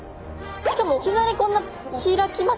しかもいきなりこんな開きます？